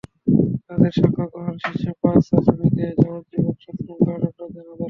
তাঁদের সাক্ষ্য গ্রহণ শেষে পাঁচ আসামিকে যাবজ্জীবন সশ্রম কারাদণ্ড দেন আদালত।